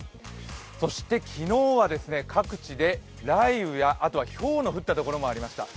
そして昨日は、各地で雷雨や、ひょうの降ったところもありました。